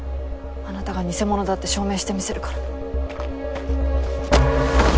あなたが偽者だって証明してみせるから。